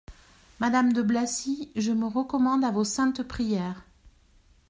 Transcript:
Madame de Blacy, je me recommande à vos saintes prières.